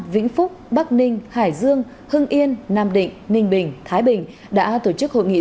vĩnh phúc bắc ninh hải dương hưng yên nam định ninh bình thái bình đã tổ chức hội nghị